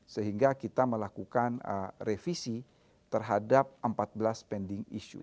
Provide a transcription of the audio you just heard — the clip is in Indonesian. sehingga kita melakukan revisi terhadap empat belas pending issue